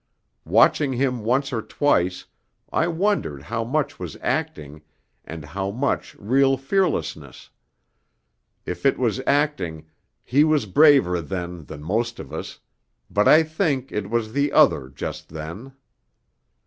Watching him once or twice I wondered how much was acting and how much real fearlessness; if it was acting he was braver then than most of us but I think it was the other just then.